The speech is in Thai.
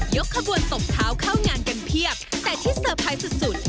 ขบวนตบเท้าเข้างานกันเพียบแต่ที่เตอร์ไพรส์สุดสุด